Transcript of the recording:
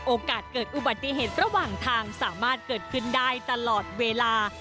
โอกาสเกิดอุบัติเหตุระหว่างทางสามารถเกิดขึ้นได้ตลอดเวลา